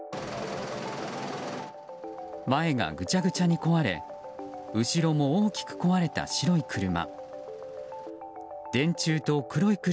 前がぐちゃぐちゃに壊れ後ろも大きく壊れた白い車。